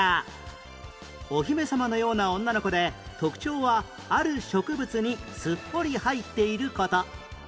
お姫様のような女の子で特徴はある植物にすっぽり入っている事